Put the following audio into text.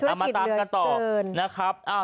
เผื่อมีธุรกิจเหลือเกิน